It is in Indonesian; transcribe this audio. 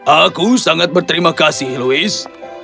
aku sangat berterima kasih louis